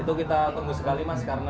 itu kita tunggu sekali mas